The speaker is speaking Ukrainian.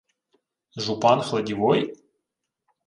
— Жупан Хладівой?